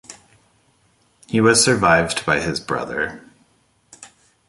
He was survived by his brother.